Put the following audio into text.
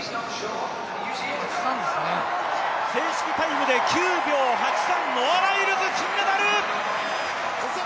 正式タイムで９秒８３、ノア・ライルズ金メダル。